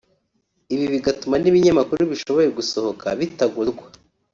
ibi bigatuma n’ibinyamakuru bishoboye gusohoka bitagurwa